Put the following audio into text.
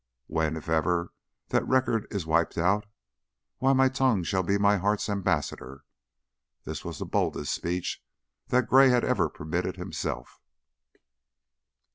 When, if ever, that record is wiped out, why my tongue shall be my heart's ambassador." This was the boldest speech that Gray had ever permitted himself.